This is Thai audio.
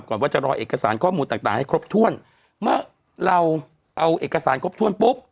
ก่อนว่าจะรอเอกสารข้อมูลต่างต่างให้ครบถ้วนเมื่อเราเอาเอกสารครบถ้วนปุ๊บ